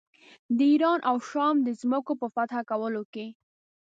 د ایران او شام د ځمکو په فتح کولو کې.